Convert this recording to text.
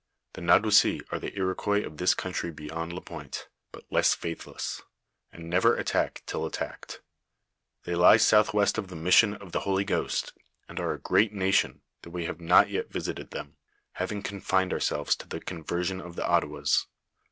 The Nadouessi are the Iroquois of this country beyond La pointe, but less faithless, and never attack till attacked. They lie southwest of the mission of the Holy Ghost, and are a great nation, though we have not yet visited them, having confined ourselves to the conversion of the Oitawas.